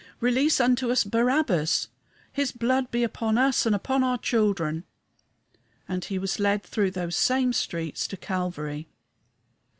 Release unto us Barabbas! His blood be upon us and upon our children!" and he was led through those same streets to Calvary.